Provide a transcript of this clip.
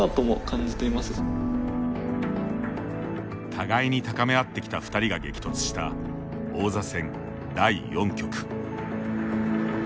互いに高め合ってきた２人が激突した王座戦第４局。